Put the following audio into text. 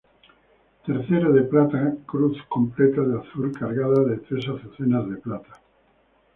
Tercero de plata cruz completa de azur cargada de tres azucenas de plata.